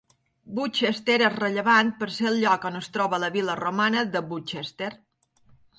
Woodchester és rellevant per ser el lloc on es troba la vila romana de Woodchester.